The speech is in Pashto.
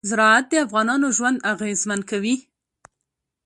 زراعت د افغانانو ژوند اغېزمن کوي.